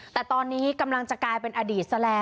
แต่ตอนนี้กำลังจะกลายเป็นอดีตซะแล้ว